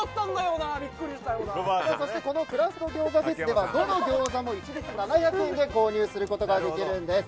このクラフト餃子フェスではどの餃子も一律７００円で購入することができるんです。